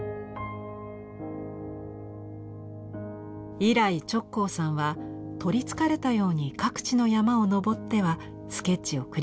以来直行さんは取りつかれたように各地の山を登ってはスケッチを繰り返します。